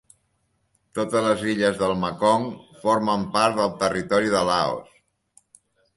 Totes les illes del Mekong formen part del territori de Laos.